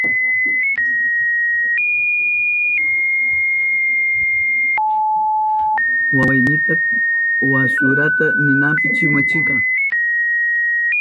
Wawaynita wasurata ninapi wichuchishkani.